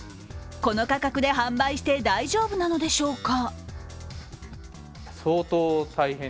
この価格で販売して大丈夫なのでしょうか？